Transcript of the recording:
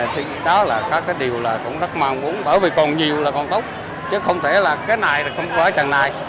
thì đó là các điều cũng rất mang vốn bởi vì còn nhiều là còn tốt chứ không thể là cái này không phải chẳng này